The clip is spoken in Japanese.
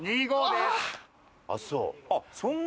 あっそう。